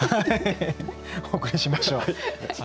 お送りしましょう。